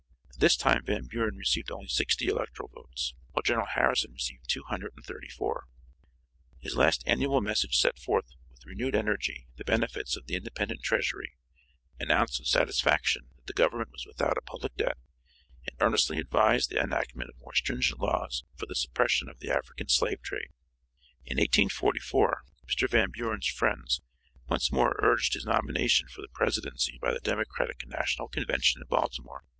This time Van Buren received only 60 electoral votes, while General Harrison received 234. His last annual message set forth with renewed energy the benefits of the independent treasury; announced with satisfaction that the government was without a public debt; and earnestly advised the enactment of more stringent laws for the suppression of the African slave trade. In 1844 Mr. Van Buren's friends once more urged his nomination for the presidency by the Democratic national convention at Baltimore.